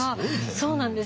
そうなんです。